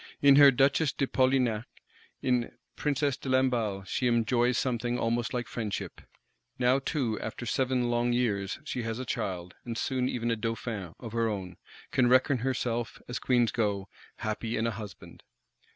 In her Duchess de Polignac, in Princess de Lamballe, she enjoys something almost like friendship; now too, after seven long years, she has a child, and soon even a Dauphin, of her own; can reckon herself, as Queens go, happy in a husband.